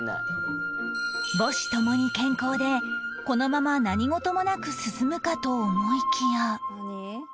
母子ともに健康でこのまま何事もなく進むかと思いきや